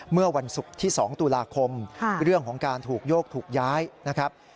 เมื่อวันศุกร์ที่๒ตุลาคมเรื่องของการถูกโยกถูกย้ายนะครับ